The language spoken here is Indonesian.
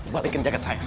balikin jaket saya